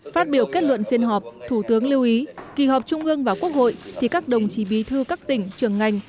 phát biểu kết luận phiên họp thủ tướng lưu ý kỳ họp trung ương và quốc hội thì các đồng chí bí thư các tỉnh trường ngành